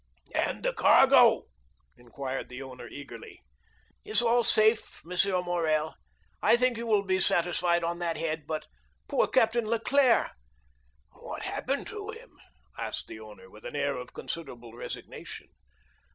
"And the cargo?" inquired the owner, eagerly. "Is all safe, M. Morrel; and I think you will be satisfied on that head. But poor Captain Leclere——" "What happened to him?" asked the owner, with an air of considerable resignation.